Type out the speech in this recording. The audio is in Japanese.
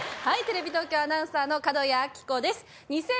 はいテレビ東京アナウンサーの角谷暁子です。